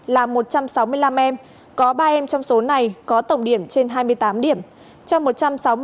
là một trăm sáu mươi năm em có ba em trong số này có tổng điểm trên hai mươi tám điểm